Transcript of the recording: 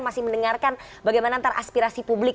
masih mendengarkan bagaimana antara aspirasi publik